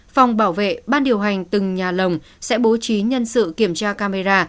phòng bảo vệ ban điều hành từng nhà lồng sẽ bố trí nhân sự kiểm tra camera